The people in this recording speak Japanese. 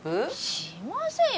しませんよ